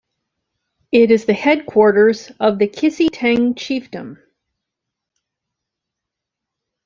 It is the headquarters of the Kissi Teng Chiefdom.